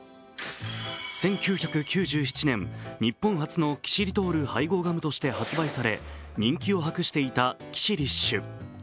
１９９７年、日本初のキシリトール配合ガムとして発売され、人気を博していたキシリッシュ。